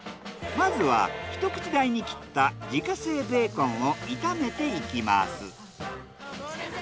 まずはひと口大に切った自家製ベーコンを炒めていきます。